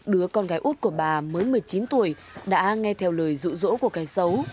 đứa con gái út của bà mới một mươi chín tuổi đã nghe theo lời rụ rỗ của cái xấu